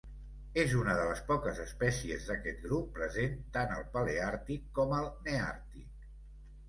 És una de les poques espècies d'aquest grup present tant al paleàrtic com al neàrtic.